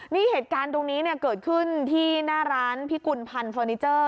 นี่เหตุการณ์ตรงนี้เนี่ยเกิดขึ้นที่หน้าร้านพิกุลพันธ์เฟอร์นิเจอร์